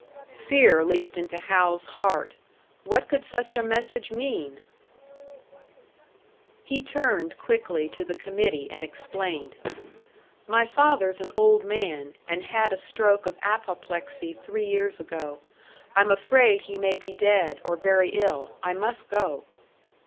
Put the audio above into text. Fear leaped into Hal's heart. What could such a message mean? He turned quickly to the committee and explained. "My father's an old man, and had a stroke of apoplexy three years ago. I'm afraid he may be dead, or very ill. I must go."